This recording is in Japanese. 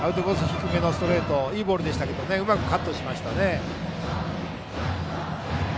低めのストレートでいいボールでしたけれどもうまくカットしましたね。